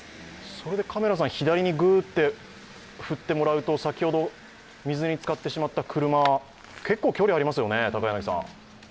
それで左に振ってもらうと、先ほど水につかってしまった車、結構距離がありますよね。